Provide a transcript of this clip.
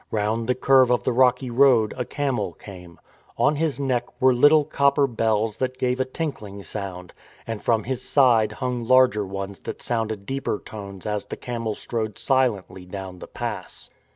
Round the curve of the rocky road a camel came/ On his neck were little copper bells that gave a tinkling sound, and from his side hung larger ones that sounded deeper tones as the camel strode silently down the pass.